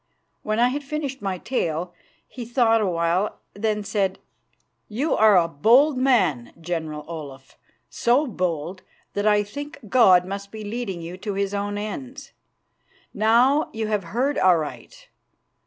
When I had finished my tale he thought a while. Then he said, "You are a bold man, General Olaf; so bold that I think God must be leading you to His own ends. Now, you have heard aright.